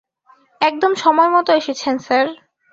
একদম সময়মতো এসেছেন, স্যার।